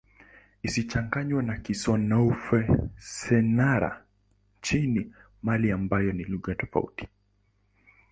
Isichanganywe na Kisenoufo-Syenara nchini Mali ambayo ni lugha tofauti.